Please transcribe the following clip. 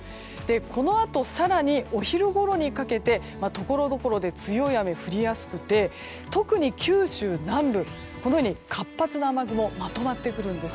このあと更にお昼ごろにかけてところどころで強い雨が降りやすくて特に、九州南部は活発な雨雲がまとまってくるんです。